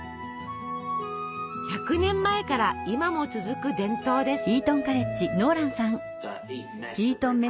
１００年前から今も続く伝統です。